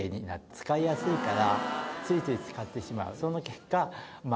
使いやすいからついつい使ってしまう。